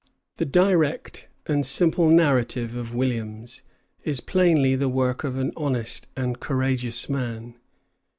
The direct and simple narrative of Williams is plainly the work of an honest and courageous man.